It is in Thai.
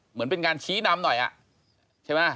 เหมือนเป็นการชี้นำหน่อยใช่ไหม